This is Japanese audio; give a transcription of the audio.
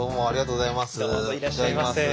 ありがとうございます。